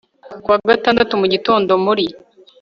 kuwagatandatu mugitondo muri